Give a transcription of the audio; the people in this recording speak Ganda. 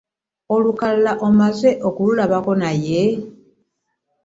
Olukalala omaze okululabako naye?